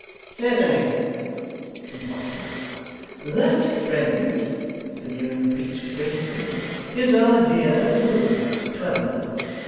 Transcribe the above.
'Certainly!' from Podsnap. 'That friend,' Veneering repeats with greater firmness, 'is our dear good Twemlow.